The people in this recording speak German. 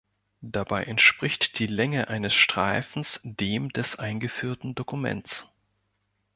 Dabei entspricht die Länge eines Streifens dem des eingeführten Dokuments.